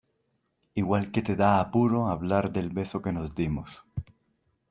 igual que te da apuro hablar del beso que nos dimos.